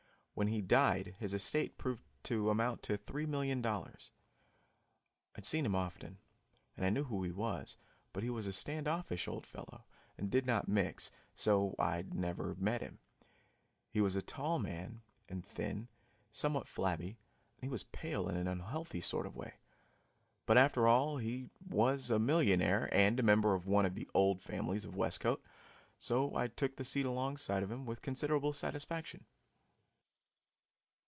When he died, his estate proved to amount to three million dollars. I had seen him often, and I knew who he was, but he was a stand offish old fellow and did not mix, so I had never met him. He was a tall man and thin, somewhat flabby and he was pale in an unhealthy sort of way. But, after all, he was a millionaire and a member of one of the "old families" of Westcote, so I took the seat alongside of him with considerable satisfaction.